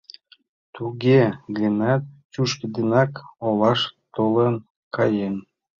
Туге гынат, чӱчкыдынак олаш толын каен.